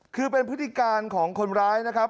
คือเป็นพฤติการของคนร้ายนะครับ